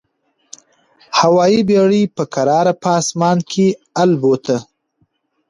هوايي بېړۍ په کراره په اسمان کي البوته.